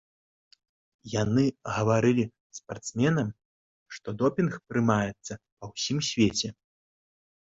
Яны гаварылі спартсменам, што допінг прымаецца па ўсім свеце.